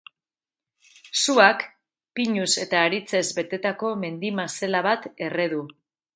Suak pinuz eta aritzez betetako mendi-mazela bat erre du.